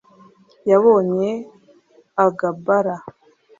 yabonye agbala